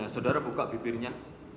nah sudara buka bibirnya